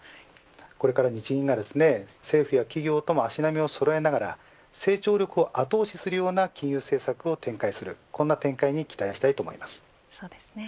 これから日銀が政府や企業とも足並みをそろえながら成長力を後押しするような金融政策を展開するこんな展開にそうですね。